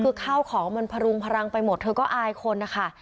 คือข้าวของมันพรุงพลังไปหมดเธอก็อายคนนะคะ